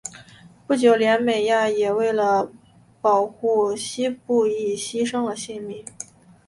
不久连美雅也为了保护希布亦牺牲了性命。